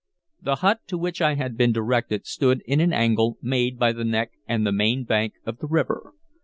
The hut to which I had been directed stood in an angle made by the neck and the main bank of the river.